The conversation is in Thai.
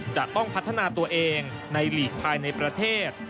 จะต้องพัฒนาตัวเองในหลีกภายในประเทศ